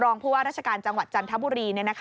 ผู้ว่าราชการจังหวัดจันทบุรี